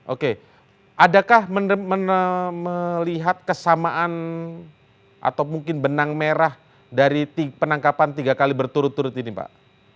oke adakah melihat kesamaan atau mungkin benang merah dari penangkapan tiga kali berturut turut ini pak